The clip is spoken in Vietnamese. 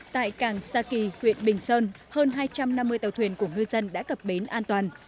tại càng saki huyện bình sơn hơn hai trăm năm mươi tàu thuyền của ngư dân đã cập bến an toàn